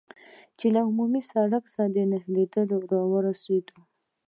چې له عمومي سړک سره نښلېدل را ورسېدو.